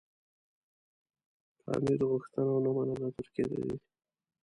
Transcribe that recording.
که امیر غوښتنه ونه منله ترکیې ته ځي.